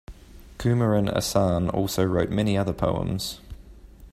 Kumaran Asan also wrote many other poems.